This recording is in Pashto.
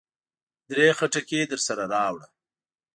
درې خټکي درسره راوړه.